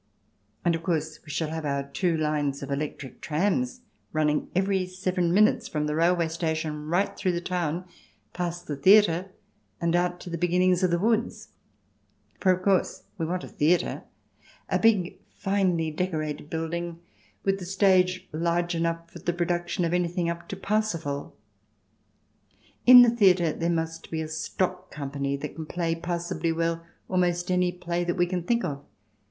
And, of course, we shall have our two lines of electric trams running every seven minutes from the railway station right through the town, past the theatre, and out to the beginnings of the woods. For of course we want a theatre, a big, finely decorated building, with the stage large enough for the production of anything up to " Parsifal." In the theatre there must be a stock company that can play passably well almost any play that we can think of.